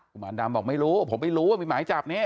คุณอันดำบอกไม่รู้ผมไม่รู้ว่ามีหมายจับนี่